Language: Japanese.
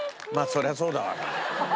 そりゃそうだわな。